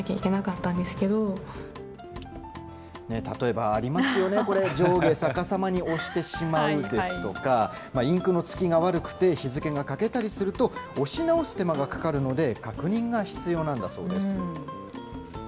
例えば、ありますよね、これ、上下逆さまに押してしまうですとか、インクのつきが悪くて、日付が欠けたりすると、押し直す手間がかかるので、確認が必要なんだそうです。